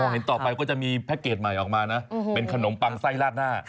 เห็นต่อไปก็จะมีแพ็คเกจใหม่ออกมานะเป็นขนมปังไส้ลาดหน้า